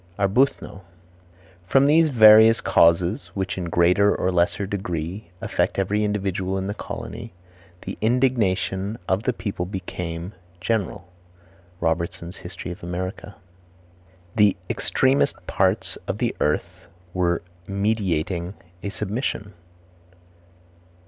Arbuthno. "From these various causes, which in greater or lesser degree, affected every individual in the colony, the indignation of the people became general." Robertson's History of America. "The extremest parts of the earth were meditating a submission."